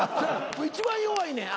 一番弱いねん。